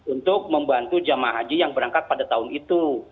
untuk membantu jemaah haji yang berangkat pada tahun itu